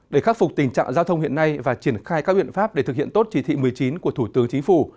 để khắc phục tình trạng giao thông hiện nay và triển khai các biện pháp để thực hiện tốt chỉ thị một mươi chín của thủ tướng chính phủ